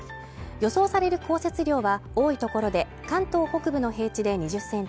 予想される降雪量は多い所で関東北部の平地で２０センチ